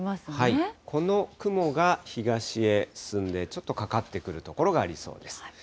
この雲が、東へ進んで、ちょっとかかってくる所がありそうです。